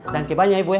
dan kebanyakan ibu ya